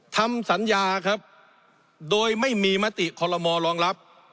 ทำสัญญาครับโดยไม่มีมติคอลโลมอรองรับ